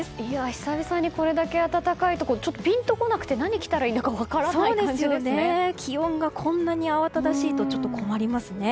久々に、これだけ暖かいとちょっとピンと来なくて何を着たらいいか気温がこんなに慌ただしいとちょっと困りますね。